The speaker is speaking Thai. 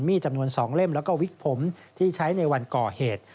มีจำนวนสองเล่มและวิกผมที่ใช้ในวันก่อเหตุ